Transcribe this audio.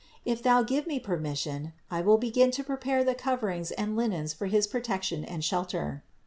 If thou give me permission I will begin to prepare the cov erings and linens for his protection and shelter.